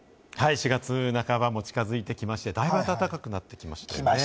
４月半ばも近づいてきまして、だいぶ暖かくなってきましたね。